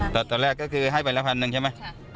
ตอนนั้นตอนแรกก็คือให้ไปละพันธุ์หนึ่งใช่ไหม